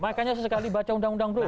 makanya sesekali baca undang undang dulu